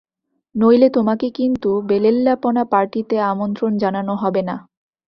নইলে তোমাকে কিন্তু বেলেল্লাপনা পার্টিতে আমন্ত্রণ জানানো হবে না।